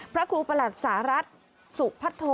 พระครูประหลัดสหรัฐสุพัทโท